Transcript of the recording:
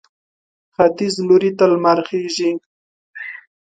ختیځ لوري ته لمر خېژي.